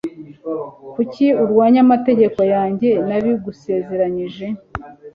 Kuki urwanya amategeko yanjye? Nabigusezeraniye.